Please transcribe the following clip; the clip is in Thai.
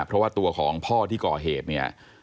เพราะว่าตัวของพ่อที่ก่อเหตุเนี่ย